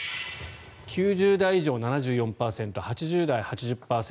９０代以上、７４％８０代、８０％